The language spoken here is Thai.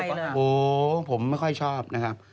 โอ้โหผมไม่ค่อยชอบนะครับ